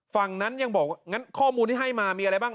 ฝั่งนั้นยังบอกงั้นข้อมูลที่ให้มามีอะไรบ้าง